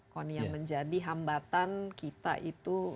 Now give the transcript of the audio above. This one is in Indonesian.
konyang menjadi hambatan kita itu